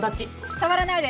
触らないで！